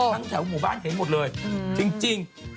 ทั้งแถวหมู่บ้านเห็นหมดเลยจริง